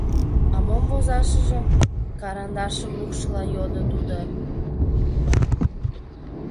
— А мом возашыже? — карандашым лукшыла йодо тудо.